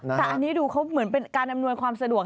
แต่อันนี้ดูเขาเหมือนเป็นการอำนวยความสะดวก